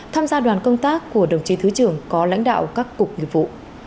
tham gia đoàn công tác của đồng chí thứ trưởng có lãnh đạo các cục nghiệp vụ